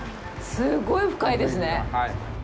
すごい深いですね。